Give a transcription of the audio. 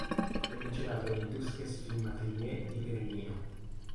Venne girato nei Duskes-Filmatelier di Berlino.